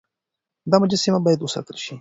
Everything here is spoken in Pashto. دا مجسمه بايد وساتل شي.